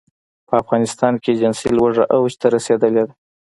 په افغانستان کې جنسي لوږه اوج ته رسېدلې ده.